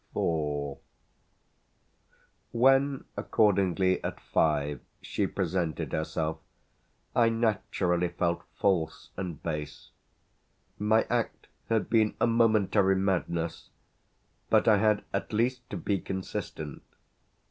IV When accordingly at five she presented herself I naturally felt false and base. My act had been a momentary madness, but I had at least to be consistent.